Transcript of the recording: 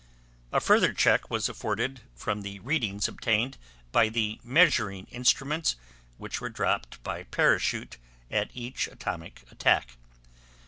A further check was afforded from the readings obtained by the measuring instruments which were dropped by parachute at each atomic attack.